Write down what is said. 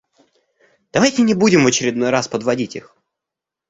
Давайте не будем в очередной раз подводить их!